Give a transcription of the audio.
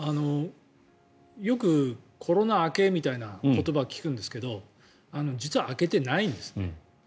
よくコロナ明けみたいな言葉、聞くんですが実は明けてないんですね。